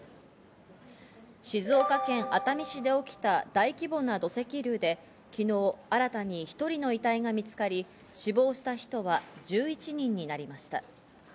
静岡県熱海市で起きた大規模な土石流で、昨日、新たに１人の遺体が見つかり、死亡した人は１１人になりました。